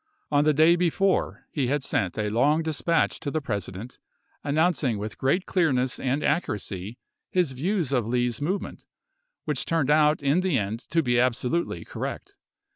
On the day before he had sent a long dispatch to the President, announcing with great clearness and accuracy his views of Lee's movement, which turned out in the end to be absolutely correct.